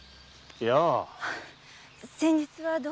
いや。